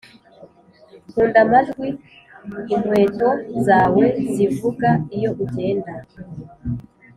nkunda amajwi inkweto zawe zivuga iyo ugenda